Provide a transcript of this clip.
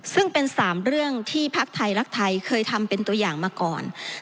ซึ่งเป็น๓เรื่องที่พักไทยรักไทยเคยทำเป็นตัวอย่างมาก่อน